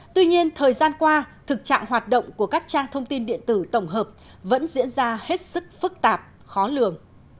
tuy nhiên thời gian qua thực trạng hoạt động của các trang thông tin điện tử tổng hợp vẫn diễn ra hết sức phức tạp khó lường